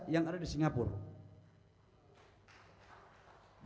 yang ada di singapura